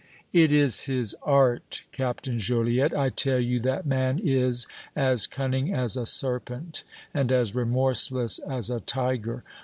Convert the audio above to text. "It is his art, Captain Joliette! I tell you that man is as cunning as a serpent and as remorseless as a tiger.